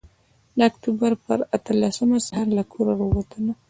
د اکتوبر پر اتلسمه سهار له کوره راووتلم.